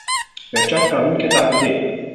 Berçavka min kete erdê.